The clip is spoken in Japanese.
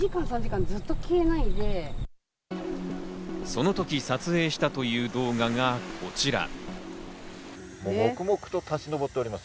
その時、撮影したという動画がこちら。